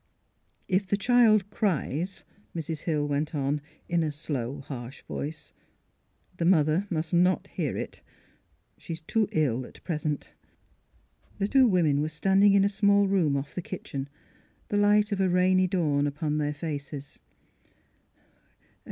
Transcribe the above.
^' If the child cries," Mrs. Hill went on, in a slow, harsh voice, '' the mother must not hear it. She is too ill at present." The two women were standing in a small room off the kitchen, the light of a rainy dawn upon their faces.